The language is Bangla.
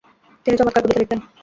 তিনি চমৎকার কবিতা লিখতেন।